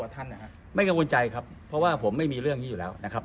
มองว่าเป็นการสกัดท่านหรือเปล่าครับเพราะว่าท่านก็อยู่ในตำแหน่งรองพอด้วยในช่วงนี้นะครับ